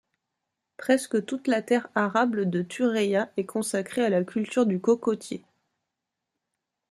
Presque toute la terre arable de Tureia est consacrée à la culture du cocotier.